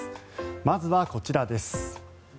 まずはこちらです。